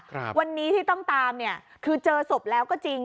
ครับวันนี้ที่ต้องตามเนี่ยคือเจอศพแล้วก็จริง